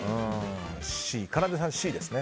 かなでさん、Ｃですね。